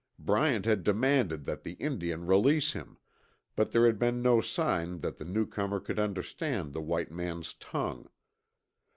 Bryant had demanded that the Indian release him, but there had been no sign that the newcomer could understand the white man's tongue.